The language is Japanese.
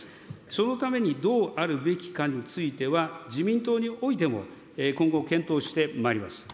そのためにどうあるべきかについては、自民党においても、今後、検討してまいります。